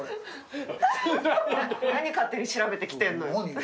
何勝手に調べて来てんのよ。